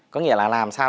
có nghĩa là làm sao